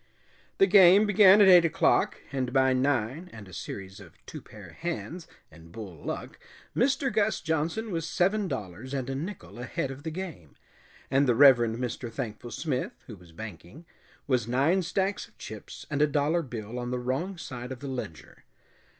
The game began at eight o'clock, and by nine and a series of two pair hands and bull luck Mr. Gus Johnson was seven dollars and a nickel ahead of the game, and the Reverend Mr. Thankful Smith, who was banking, was nine stacks of chips and a dollar bill on the wrong side of the ledger.